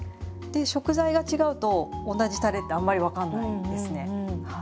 食材が違うと同じたれってあんまり分からないですね。